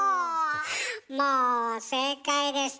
もう正解です。